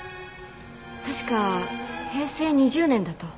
確か平成２０年だと。